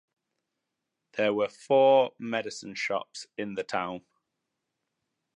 There were four medicine shops in the town.